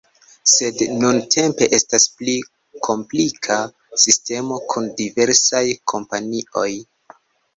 Sed nuntempe estas pli komplika sistemo kun diversaj kompanioj.